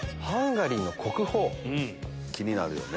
気になるよね。